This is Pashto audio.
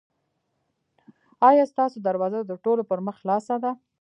ایا ستاسو دروازه د ټولو پر مخ خلاصه ده؟